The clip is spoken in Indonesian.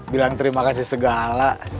bilang terima kasih segala